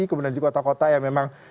kemudian juga kota kota yang memang